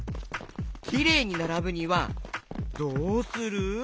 きれいにならぶにはどうする？